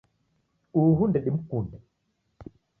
Uhu ndedimkunde.